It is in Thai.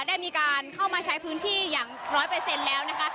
ได้มีการเข้ามาใช้พื้นที่อย่างร้อยเปอร์เซ็นต์แล้วนะคะ